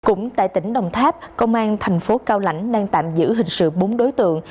cũng tại tỉnh đồng tháp công an thành phố cao lãnh đang tạm giữ hình sự bốn đối tượng